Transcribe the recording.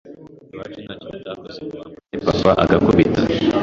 Iwacu ntacyo batakoze ngo bampane, papa agakubita